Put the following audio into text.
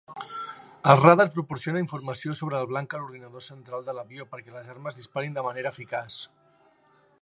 El radar proporciona informació sobre el blanc a l'ordinador central de l'avió perquè les armes disparin de manera eficaç.